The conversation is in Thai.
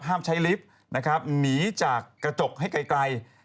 ใช้ลิฟต์นะครับหนีจากกระจกให้ไกล